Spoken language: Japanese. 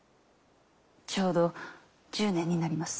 ちょうど１０年になります。